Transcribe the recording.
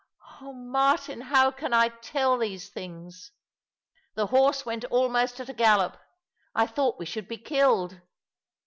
Oh, Martin, how can I tell these things? The horse went almost at a gallop. I thought we should be killed.